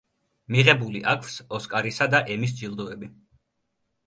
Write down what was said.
მიღებული აქვს ოსკარისა და ემის ჯილდოები.